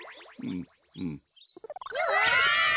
うわ！